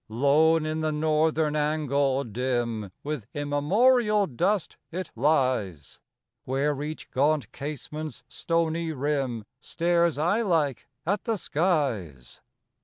Lone in the northern angle, dim With immemorial dust, it lies; Where each gaunt casement's stony rim Stares eyelike at the skies.